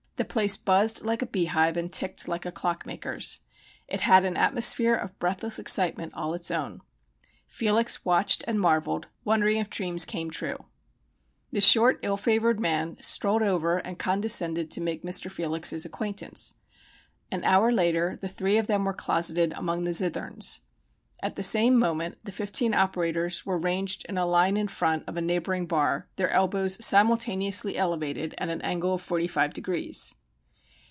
The place buzzed like a beehive and ticked like a clockmaker's. It had an atmosphere of breathless excitement all its own. Felix watched and marvelled, wondering if dreams came true. The short, ill favored man strolled over and condescended to make Mr. Felix's acquaintance. An hour later the three of them were closeted among the zitherns. At the same moment the fifteen operators were ranged in a line in front, of a neighboring bar, their elbows simultaneously elevated at an angle of forty five degrees.